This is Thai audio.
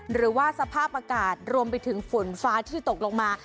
หรือว่าสภาพอากาศรวมไปถึงฝนฟ้าที่ตกลงมา